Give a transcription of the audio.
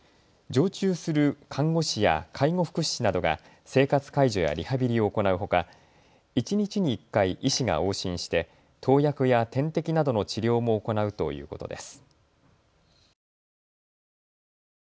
常駐する看護師や介護福祉士などが生活介助やリハビリを行うほか一日に１回、医師が往診して投薬や点滴などの治療も行うということです。